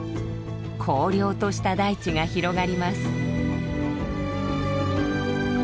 荒涼とした大地が広がります。